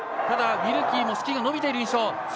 ただ、ウィルキーもスキーが伸びている印象。